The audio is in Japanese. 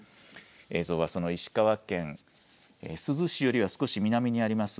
映像はその石川県珠洲市よりは少し南にあります